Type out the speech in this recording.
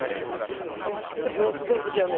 病室出る時はね